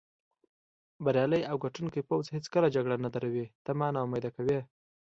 بریالی او ګټوونکی پوځ هېڅکله جګړه نه دروي، ته ما نا امیده کوې.